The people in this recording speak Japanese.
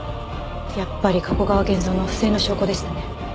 やっぱり加古川源蔵の不正の証拠でしたね。